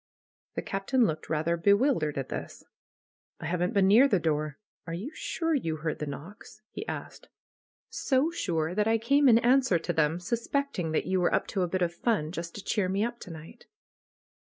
The Captain looked rather bewildered at this. "I haven't been near the door. Are you sure you heard the knocks?" he asked. "So sure that I came in answer to them, suspecting that you were up to a bit of fun, just to cheer me up to night."